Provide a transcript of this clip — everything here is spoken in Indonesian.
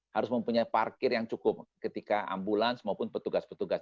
harus mempunyai parkir yang cukup ketika ambulans maupun petugas petugas